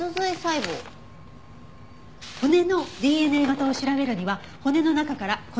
骨のＤＮＡ型を調べるには骨の中から骨髄を採取する。